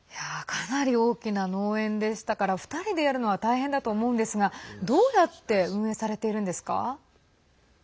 かなり大きな農園でしたから２人でやるのは大変だと思うんですがどうやって運営されているんですか？